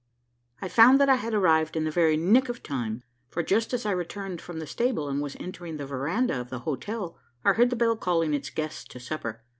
I found that I had arrived in the very "nick of time:" for just as I returned from the stable, and was entering the verandah of the hotel, I heard the bell calling its guests to supper.